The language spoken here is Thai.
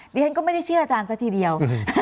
ดิฉันก็ไม่ได้เชื่ออาจารย์ซะทีเดียว